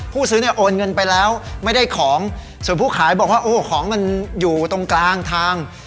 ซื้อเนี่ยโอนเงินไปแล้วไม่ได้ของส่วนผู้ขายบอกว่าโอ้ของมันอยู่ตรงกลางทาง